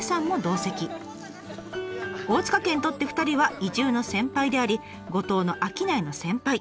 大塚家にとって２人は移住の先輩であり五島の商いの先輩。